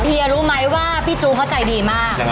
เฮียรู้ไหมว่าพี่จูเขาใจดีมาก